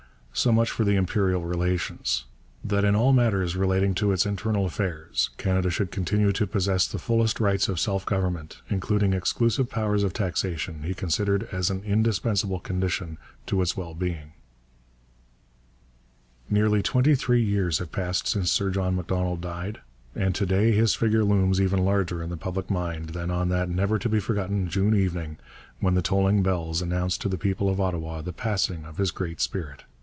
So much for the Imperial relations. That in all matters relating to its internal affairs Canada should continue to possess the fullest rights of self government, including exclusive powers of taxation, he considered as an indispensable condition to its well being. Nearly twenty three years have passed since Sir John Macdonald died, and to day his figure looms even larger in the public mind than on that never to be forgotten June evening when the tolling bells announced to the people of Ottawa the passing of his great spirit.